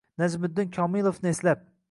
Najmiddin Komilovni eslab...